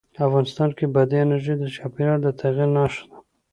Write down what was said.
افغانستان کې بادي انرژي د چاپېریال د تغیر نښه ده.